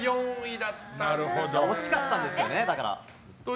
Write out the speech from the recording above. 惜しかったんですよね。